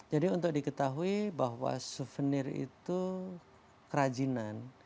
jadi untuk diketahui bahwa souvenir itu kerajinan